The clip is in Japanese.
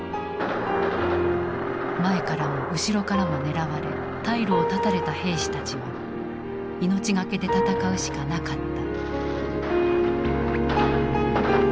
前からも後ろからも狙われ退路を断たれた兵士たちは命懸けで戦うしかなかった。